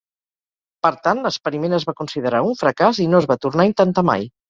Per tant, l'experiment es va considerar un fracàs i no es va tornar a intentar mai.